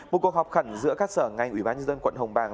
một cuộc họp khẩn giữa các sở ngành ủy ban nhân dân quận hồng bàng